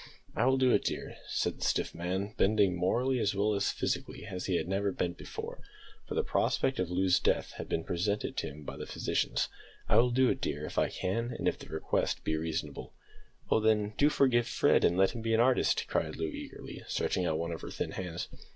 "I will do it, dear," said the stiff man, bending, morally as well as physically, as he had never bent before for the prospect of Loo's death had been presented to him by the physicians. "I will do it, dear, if I can, and if the request be reasonable." "Oh, then, do forgive Fred, and let him be an artist!" cried Loo, eagerly stretching out one of her thin hands.